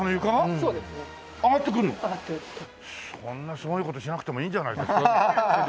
そんなすごい事しなくてもいいんじゃないですか？